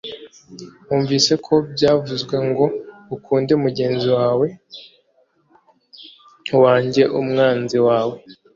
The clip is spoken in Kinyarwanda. “Mwumvise ko byavuzwe ngo ‘Ukunde mugenzi wawe wange umwanzi wawe.